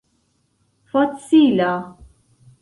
facila